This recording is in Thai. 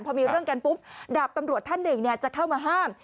พอมีเรื่องกันปุ๊บดาบตำรวจท่านหนึ่งจะเข้ามาห้าม